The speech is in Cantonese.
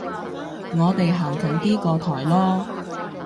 我哋行近啲個台囉